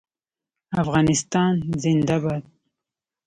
افغانستان زنده باد.